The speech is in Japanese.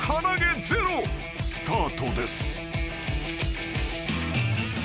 ［スタートです］